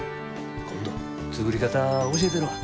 今度作り方教えたるわ。